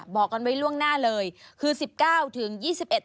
บอกกันไว้ล่วงหน้าเลยคือสิบเก้าถึงยี่สิบเอ็ด